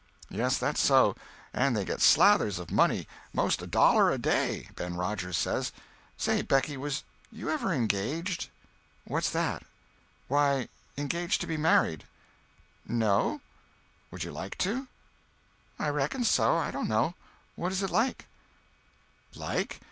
"Yes, that's so. And they get slathers of money—most a dollar a day, Ben Rogers says. Say, Becky, was you ever engaged?" "What's that?" "Why, engaged to be married." "No." "Would you like to?" "I reckon so. I don't know. What is it like?" "Like?